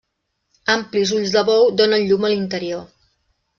Amplis ulls de bou donen llum a l'interior.